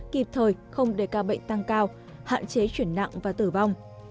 kịp thời không để ca bệnh tăng cao hạn chế chuyển nặng và tử vong